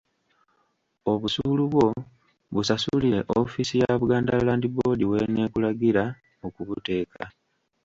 Obusuulu bwo busasulire ofiisi ya Buganda Land Board w'eneekulagira okubuteeka.